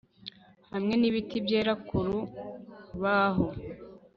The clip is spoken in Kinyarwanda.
hamwe n'ibiti byera ku rubaho